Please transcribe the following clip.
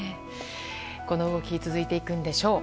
この動き続いていくんでしょう。